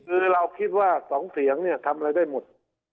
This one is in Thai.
คือเราคิดว่า๒เสียงเนี่ยทำอะไรได้หมด